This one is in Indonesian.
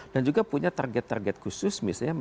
dan juga punya target target khusus misalnya